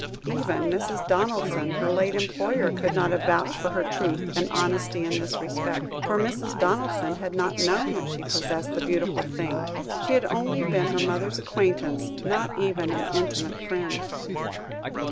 Even Mrs. Donaldson, her late employer, could not have vouched for her truth and honesty in this respect, for Mrs. Donaldson had not known that she possessed the beautiful thing; she had only been her mother's acquaintance, not even an intimate friend.